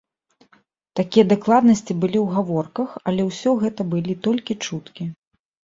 Такія дакладнасці былі ў гаворках, але ўсё гэта былі толькі чуткі.